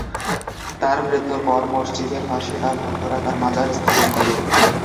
তার মৃত্যুর পর মসজিদের পাশে তার ভক্তরা তার মাজার স্থাপন করে।